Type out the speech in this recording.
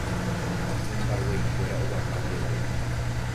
Hymba guéi kuéra oguata mbegue.